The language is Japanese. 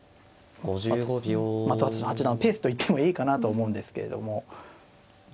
松尾八段のペースと言ってもいいかなと思うんですけれども。